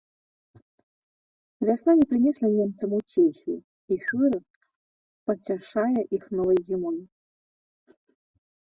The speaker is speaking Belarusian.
Вясна не прынесла немцам уцехі, і фюрэр пацяшае іх новай зімой.